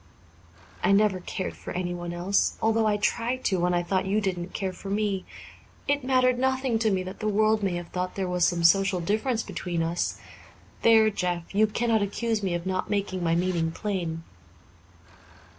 I never cared for anyone else although I tried to, when I thought you didn't care for me. It mattered nothing to me that the world may have thought there was some social difference between us. There, Jeff, you cannot accuse me of not making my meaning plain."